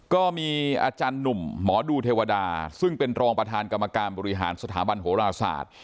ก็มีอาจารย์หนุ่มหมอดูเทวดาซึ่งเป็นรองประธานกรรมการบริหารสถาบันโหราศาสตร์